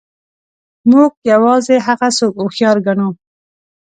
موږ یوازې هغه څوک هوښیار ګڼو.